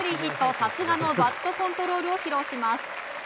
さすがのバットコントロールを披露します。